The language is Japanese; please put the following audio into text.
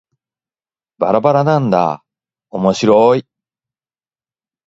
ばらばらなんだーおもしろーい